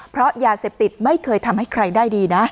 เพราะยาเสพติดไม่เคยทำให้ใครได้ดีนะ